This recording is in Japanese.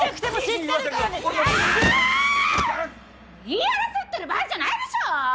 言い争ってる場合じゃないでしょ！